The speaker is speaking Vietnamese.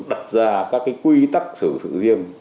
đặt ra các cái quy tắc xử sự riêng